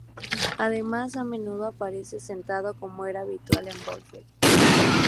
Además a menudo aparece sentado como era habitual en Blofeld.